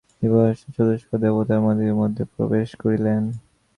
দীপহস্তে চতুর্দশ দেবতার মন্দিরের মধ্যে প্রবেশ করিলেন।